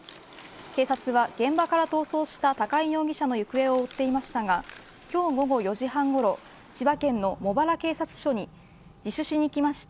警察は現場から逃走した高井容疑者の行方を追っていましたが今日午後４時半ごろ千葉県の茂原警察署に自首しに来ました。